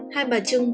hai bà trưng bốn ca